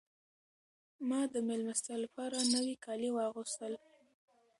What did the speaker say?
ما د مېلمستیا لپاره نوي کالي واغوستل.